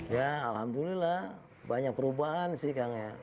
ya alhamdulillah banyak perubahan sih